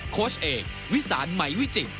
โค้ชเอกวิสานไหมวิจิตร